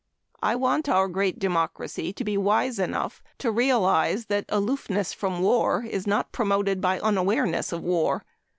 I want our great democracy to be wise enough to realize that aloofness from war is not promoted by unawareness of war.